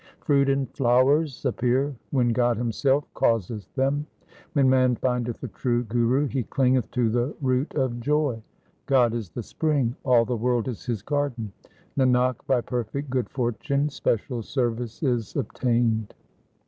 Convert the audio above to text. Fruit and flowers appear when God Himself causeth them. When man findeth the true Guru, he clingeth to the Root of joy. God is the spring ; all the world is His garden. Nanak, by perfect good fortune special service is obtained.